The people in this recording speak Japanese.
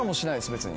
別に。